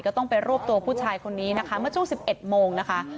ก็ต้องไปรวบตัวผู้ชายคนนี้นะคะเมื่อช่วง๑๑โมงนะคะ